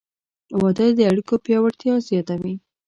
• واده د اړیکو پیاوړتیا زیاتوي.